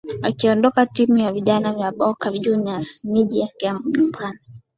Akiondoka timu ya vijana ya Boca Juniors mji wake wa nyumbani